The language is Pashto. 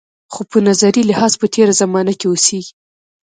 خو په نظري لحاظ په تېره زمانه کې اوسېږي.